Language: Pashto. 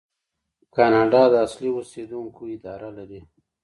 کاناډا د اصلي اوسیدونکو اداره لري.